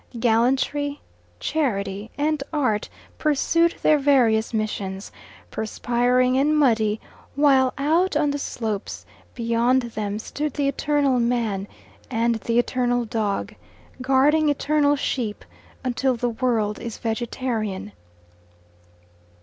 Gallantry, charity, and art pursued their various missions, perspiring and muddy, while out on the slopes beyond them stood the eternal man and the eternal dog, guarding eternal sheep until the world is vegetarian.